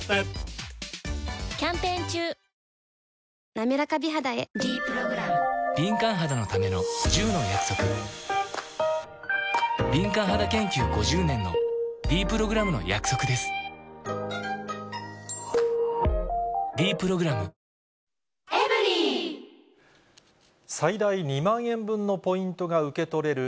なめらか美肌へ「ｄプログラム」敏感肌研究５０年のｄプログラムの約束です「ｄプログラム」最大２万円分のポイントが受け取れる